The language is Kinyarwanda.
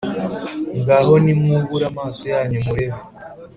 Ngaho nimwubure amaso yanyu murebe